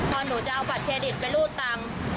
พอหนูจะเอาบัตรเครดิตไปรูดตังค์